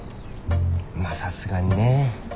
まあさすがにね。